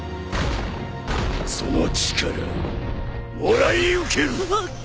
その力もらいうける。